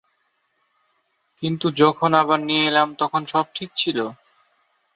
কিন্তু যখন আবার নিয়ে এলাম তখন সব ঠিক ছিল।